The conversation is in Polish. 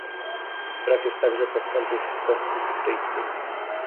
Brak jest także postępów w kwestii cypryjskiej